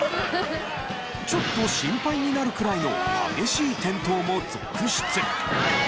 ちょっと心配になるくらいの激しい転倒も続出。